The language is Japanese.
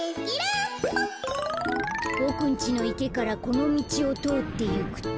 ボクんちのいけからこのみちをとおっていくと。